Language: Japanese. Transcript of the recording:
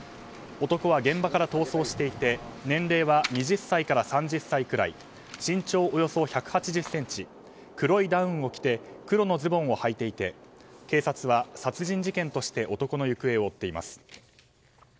男は現場から逃走していて年齢は２０歳から３０歳くらい身長およそ１８０ｃｍ黒いダウンを着て黒のズボンをはいていて警察は殺人事件として男の行方を追っています。